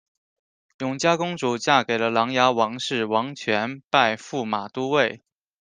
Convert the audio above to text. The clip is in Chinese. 永嘉公主嫁给了琅琊王氏王铨拜驸马都尉。